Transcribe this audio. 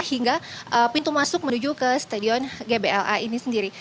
hingga pintu masuk menuju ke stadion gbla ini sendiri